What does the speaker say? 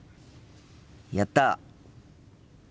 やった！